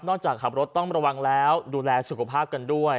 จากขับรถต้องระวังแล้วดูแลสุขภาพกันด้วย